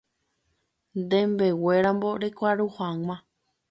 Nembeguéramo rekuaru hag̃ua